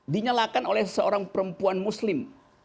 dinyalakan oleh seorang perempuan muslim